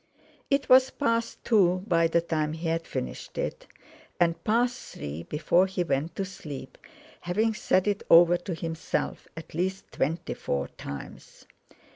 It was past two by the time he had finished it, and past three before he went to sleep, having said it over to himself at least twenty four times.